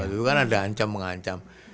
itu kan ada ancaman mengancam